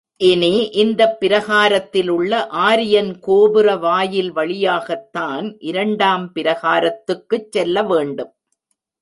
இனி இந்தப் பிரகாரத்திலுள்ள ஆரியன் கோபுர வாயில் வழியாகத்தான் இரண்டாம் பிரகாரத்துக்குச் செல்ல வேண்டும்.